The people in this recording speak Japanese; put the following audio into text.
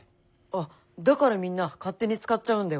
あっだからみんな勝手に使っちゃうんだよ。